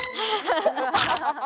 ハハハハ！